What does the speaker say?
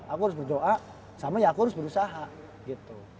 aku harus berdoa sama ya aku harus berusaha gitu